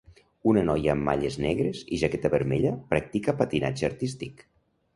Una noia amb malles negres i jaqueta vermella practica patinatge artístic.